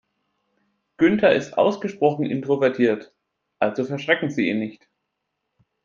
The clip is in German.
Günther ist ausgesprochen introvertiert, also verschrecken Sie ihn nicht.